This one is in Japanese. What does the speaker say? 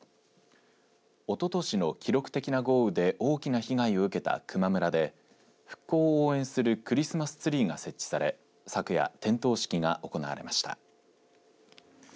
おととしの記録的な豪雨で大きな被害を受けた球磨村で復興を応援するクリスマスツリーが設置され昨夜、点灯式が行われました。